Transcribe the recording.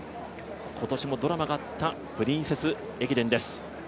今年もドラマがあったプリンセス駅伝です。